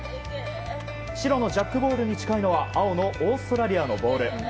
白のジャックボールに近いのは青のオーストラリアのボール。